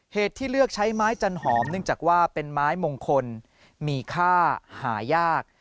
ที่เลือกใช้ไม้จันหอมเนื่องจากว่าเป็นไม้มงคลมีค่าหายาก